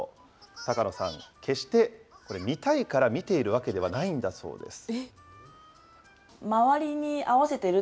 高野さん、決して見たいから見ているわけではないんだそうです。